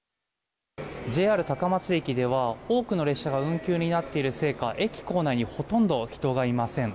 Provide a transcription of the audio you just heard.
ＪＲ高松駅では多くの列車が運休になっているせいか駅構内にほとんど人がいません。